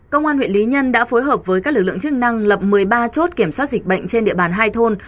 công an huyện lý nhân đã phối hợp với các lực lượng chức năng lập một mươi ba chốt kiểm soát dịch bệnh trên địa bàn hai thôn